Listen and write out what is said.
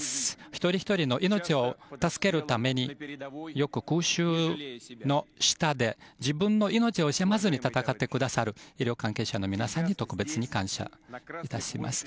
一人ひとりの命を助けるためによく空襲の下で自分の命を惜しまずに戦ってくださる医療関係者の皆さんに特別に感謝致します。